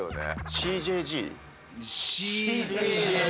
ＣＪＧ。